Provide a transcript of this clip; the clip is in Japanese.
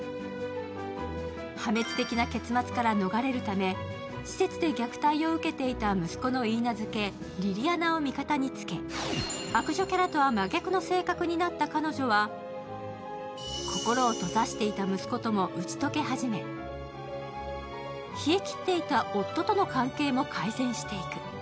破滅的な結末から逃れるため、施設で虐待を受けていた息子の許嫁・リリアナを味方につけ、悪女キャラとは真逆の性格になった彼女は心を閉ざしていた息子ともうち解け始め冷えきっていた夫との関係も改善していく。